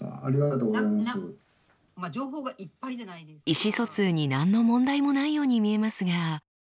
意思疎通に何の問題もないように見えますが。